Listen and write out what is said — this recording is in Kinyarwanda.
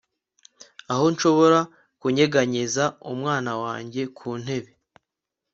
aho nshobora kunyeganyeza umwana wanjye ku ntebe